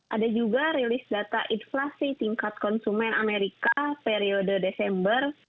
ada juga rilis data inflasi tingkat konsumen amerika periode desember